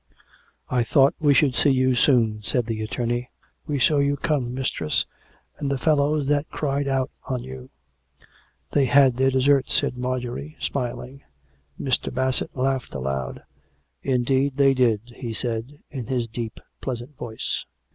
" I thought we should see you soon/' said the attorney. " We saw you come, mistress ; and the fellows that cried out on you." " They had their deserts," said Marjorie, smiling. ^ Mr. Bassett laughed aloud. " Indeed they did," he said in his deep, pleasant voice.